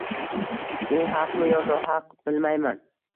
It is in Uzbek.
U haqmi yo nohaqbilmayman